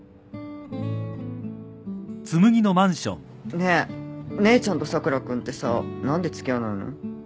ねえ姉ちゃんと佐倉君ってさ何で付き合わないの？